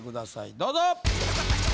どうぞ！